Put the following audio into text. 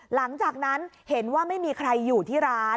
หลังจากนั้นเห็นว่าไม่มีใครอยู่ที่ร้าน